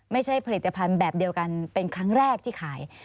ไม่ใช่ผลิตภัณฑ์แบบเดียวกันเป็นครั้งแรกที่ขาย